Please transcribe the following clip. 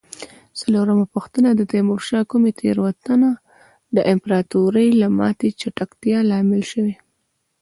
څلورمه پوښتنه: د تیمورشاه کومې تېروتنه د امپراتورۍ د ماتې د چټکتیا لامل شوې؟